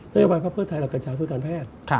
นโยบายพักเพิดไทยหลักกัญชาเพิดการแพทย์